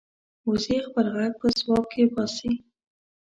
وزې خپل غږ په ځواب کې باسي